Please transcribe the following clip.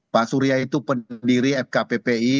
pak surya itu pendiri fkppi